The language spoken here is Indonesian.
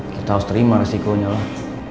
kita harus terima resikonya lah